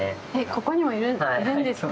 ここにもいるんですか？